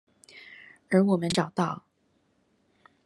而我們找到